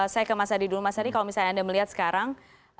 saya ke mas adi dulu mas adi kalau misalnya anda melihat sekarang